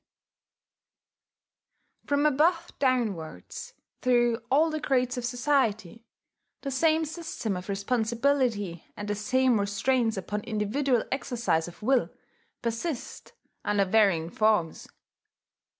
] From above downwards through all the grades of society, the same system of responsibility, and the same restraints upon individual exercise of will, persist under varying forms.